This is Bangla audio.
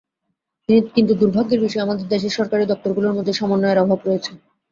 কিন্তু দুর্ভাগ্যের বিষয়, আমাদের দেশের সরকারি দপ্তরগুলোর মধ্যে সমন্বয়ের অভাব রয়েছে।